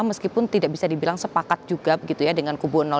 meskipun tidak bisa dibilang sepakat juga begitu ya dengan kubu dua